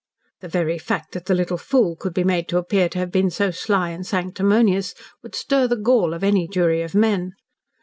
The very fact that the little fool could be made to appear to have been so sly and sanctimonious would stir the gall of any jury of men.